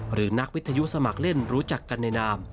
หรือนักวิทยุสมัครเล่นรู้จักกันในนาม